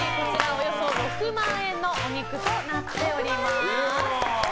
およそ６万円のお肉となっております。